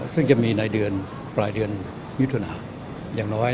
ซึ่งจะมีในเดือนปลายเดือนมิถุนาอย่างน้อย